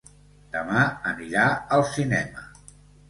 Demà anirà al cinema.